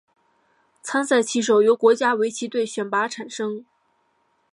参赛棋手由国家围棋队选拔产生。